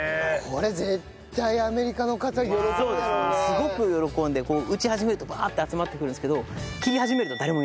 すごく喜んで打ち始めるとバーッて集まってくるんですけど。